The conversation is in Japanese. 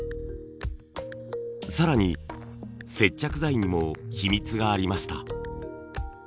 更に接着剤にも秘密がありました。